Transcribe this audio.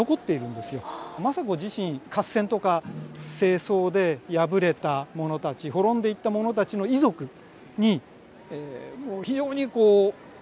政子自身合戦とか政争で敗れた者たち滅んでいった者たちの遺族に非常に手厚く保護を加えると。